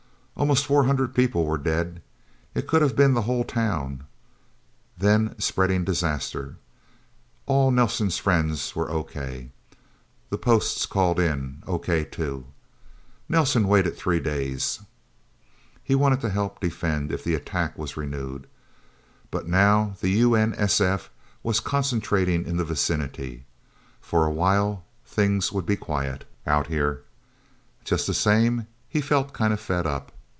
Almost four hundred people were dead. It could have been the whole Town. Then spreading disaster. All Nelsen's friends were okay. The Posts called in okay, too. Nelsen waited three days. He wanted to help defend, if the attack was renewed. But now the U.N.S.F. was concentrating in the vicinity. For a while, things would be quiet, Out Here. Just the same, he felt kind of fed up.